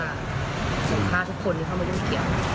ส่งผ้าทุกคนไม่เข้ามาเรื่องเกี่ยวกัน